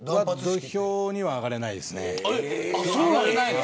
土俵には上がれないです。